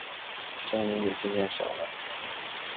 声音也渐渐小了